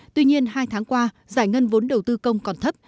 tuy nhiên hai tháng qua giải ngân vốn đầu tư công còn thấp